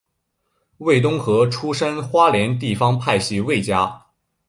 魏东河出身花莲地方派系魏家。